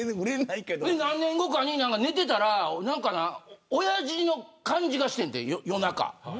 何年後かに寝てたらおやじの感じがしてんて、夜中。